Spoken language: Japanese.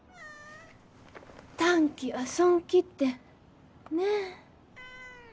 短気は損気ってねえ